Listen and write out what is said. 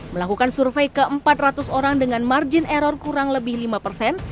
melakukan survei ke empat ratus orang dengan margin error kurang lebih lima persen